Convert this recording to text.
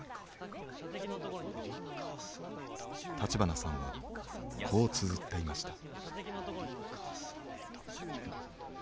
立花さんはこうつづっていました。